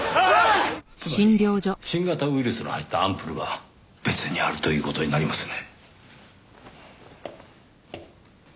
つまり新型ウイルスの入ったアンプルは別にあるという事になりますね。